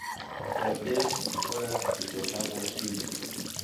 جاده پر از پیچ و خم و شیب بود.